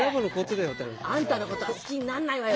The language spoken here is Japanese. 「あんたのことは好きになんないわよ。